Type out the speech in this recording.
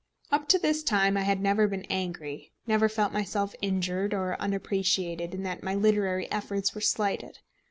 Up to this time I had never been angry, never felt myself injured or unappreciated in that my literary efforts were slighted.